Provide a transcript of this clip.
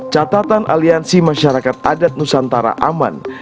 catatan aliansi masyarakat adat nusantara aman